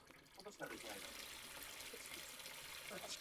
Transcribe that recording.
Allegra reconciles with Albert.